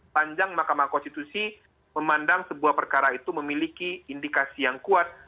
panjang mahkamah konstitusi memandang sebuah perkara itu memiliki indikasi yang kuat